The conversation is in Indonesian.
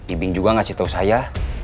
ibing juga ngasih tahu saya